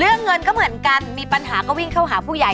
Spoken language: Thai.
เรื่องเงินก็เหมือนกันมีปัญหาก็วิ่งเข้าหาผู้ใหญ่